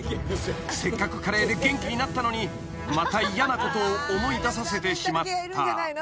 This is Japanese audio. ［せっかくカレーで元気になったのにまた嫌なことを思い出させてしまった］